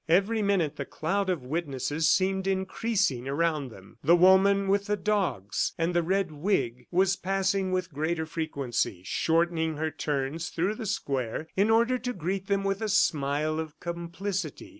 Every minute the cloud of witnesses seemed increasing around them. The woman with the dogs and the red wig was passing with greater frequency, shortening her turns through the square in order to greet them with a smile of complicity.